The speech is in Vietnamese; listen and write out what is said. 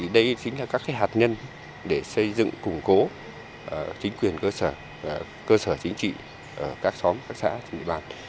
đây chính là các hạt nhân để xây dựng củng cố chính quyền cơ sở cơ sở chính trị các xóm các xã trên địa bàn